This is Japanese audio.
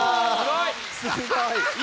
すごい！